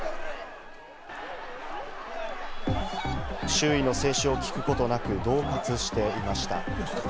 周囲の制止を聞くことなく、どう喝していました。